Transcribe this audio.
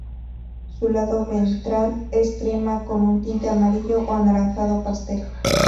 Su lado ventral es crema con un tinte amarillo o anaranjado pastel.